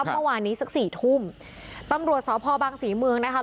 เมื่อวานนี้สักสี่ทุ่มตำรวจสพบังศรีเมืองนะคะ